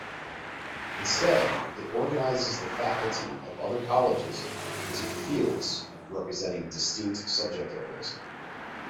Instead, it organizes the faculty of other colleges into "fields" representing distinct subject areas.